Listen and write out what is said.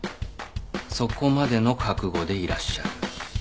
そこまでの覚悟でいらっしゃる。